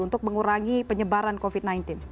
untuk mengurangi penyebaran covid sembilan belas